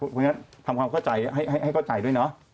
เพราะฉะนั้นทำความเข้าใจให้เข้าใจด้วยเนาะ